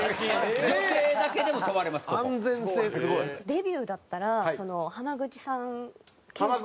デビューだったら濱口さん形式。